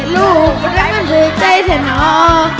รู้แท้มันเกคใจเซากินต้อง